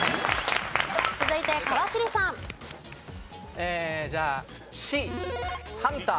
続いて川尻さん。じゃあＣハンター。